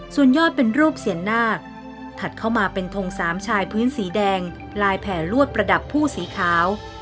ส่วนยอดเป็นรูปเสียนนาคถัดเข้ามาเป็นทงสามชายพื้นสีแดงลายแผลลวดประดับผู้สีขาว